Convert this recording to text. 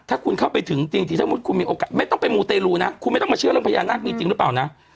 ถ้าคุณเข้าไปถึงจริงถ้ามุติคุณมีโอกาสไม่ต้องไปมูเตรลูนะคุณไม่ต้องมาเชื่อเรื่องพญานาคมีจริงหรือเปล่านะ